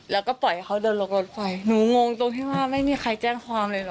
แล้วก็ปล่อยให้เขาเดินลงรถไฟหนูงงตรงที่ว่าไม่มีใครแจ้งความเลยเหรอ